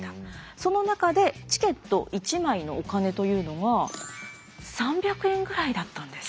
その中でチケット１枚のお金というのは３００円ぐらいだったんです。